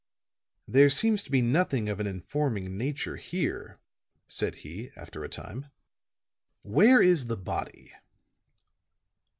"There seems to be nothing of an informing nature here," said he, after a time. "Where is the body?"